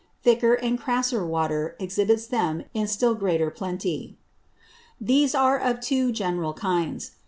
Thicker and crasser Water exhibits them in still greater Plenty. These are of two general kinds.